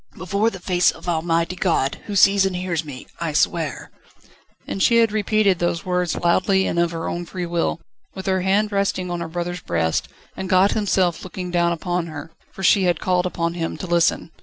"Before the face of Almighty God, who sees and hears me, I swear ..." And she had repeated those words loudly and of her own free will, with her hand resting on her brother's breast, and God Himself looking down upon her, for she had called upon Him to listen.